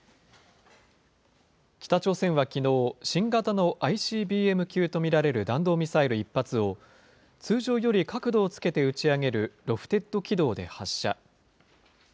北朝鮮はきのう、新型のＩＣＢＭ級と見られる弾道ミサイル１発を通常より角度をつけて打ち上げるロフテッド軌道で発射。